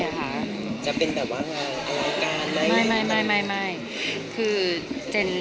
แล้วก็ไม่ได้ทำอะไรที่เดือดนอนใคร